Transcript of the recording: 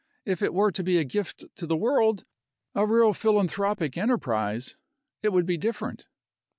If it were to be a gift to the world, a real philanthropic enterprise, it would be different."